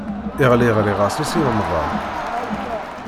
Iḍelli ɣriɣ-as i Si Remḍan.